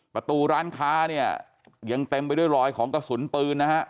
ประตูร้านค้าเนี่ยยังเต็มไปด้วยรอยของกระสุนปืนนะฮะ